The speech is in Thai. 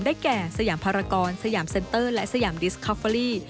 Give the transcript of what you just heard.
แก่สยามภารกรสยามเซ็นเตอร์และสยามดิสคอฟเวอรี่